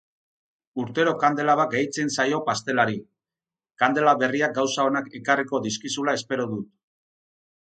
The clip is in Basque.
Urtero kandela bat gehitzen zaio pastelari. Kandela berriak gauza onak ekarriko dizkizula espero dut.